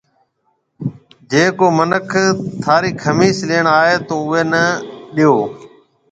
جيَ ڪو مِنک ٿارِي کمِيس ليڻ آئي تو اُوئي نَي نِي ڏيو۔